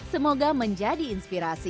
semoga menjadi inspirasi